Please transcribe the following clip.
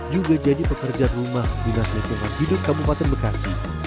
juga jadi pekerjaan rumah dinas lingkungan hidup kabupaten bekasi